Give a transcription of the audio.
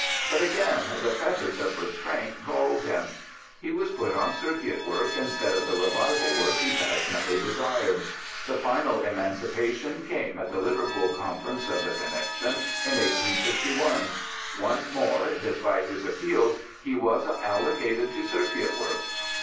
But again the fetters of restraint galled him. He was put on circuit work instead of the revival work he passionately desired. The final emancipation came at the Liverpool Conference of the Connexion in i86i. Once more, despite his appeals, he was cdlocated to circuit work.